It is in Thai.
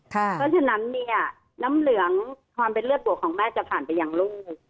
เพราะฉะนั้นเนี่ยน้ำเหลืองความเป็นเลือดปวดของแม่จะผ่านไปยังลูก